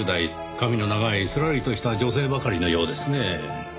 髪の長いすらりとした女性ばかりのようですねぇ。